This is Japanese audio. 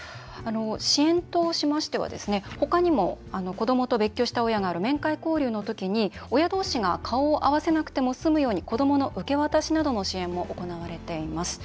支援としましては他にも子どもと別居したことのある親の面会交流の時に、親同士が顔を合わせなくても済むように子どもの受け渡しなどの支援も行われています。